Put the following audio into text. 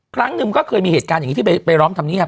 ครั้งหนึ่งก็เคยมีเหตุการณ์อย่างนี้ที่ไปร้องธรรมเนียบ